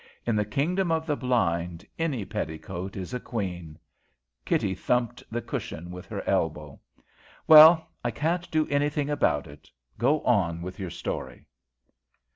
In the kingdom of the blind any petticoat is a queen." Kitty thumped the cushion with her elbow. "Well, I can't do anything about it. Go on with your story."